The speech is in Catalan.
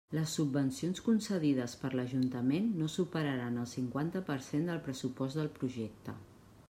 Les subvencions concedides per l'Ajuntament no superaran el cinquanta per cent del pressupost del projecte.